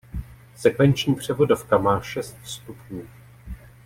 Sekvenční převodovka má šest stupňů.